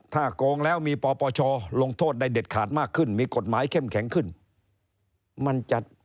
ถ้าโกงแล้วมีปปชลงโทษได้เด็ดขาดมากขึ้นมีกฎหมายเข้มแข็งขึ้นมันจะ